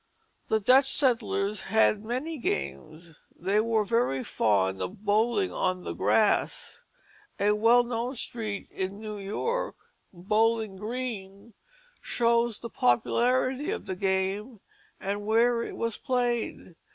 The Dutch settlers had many games. They were very fond of bowling on the grass; a well known street in New York, Bowling Green, shows the popularity of the game and where it was played.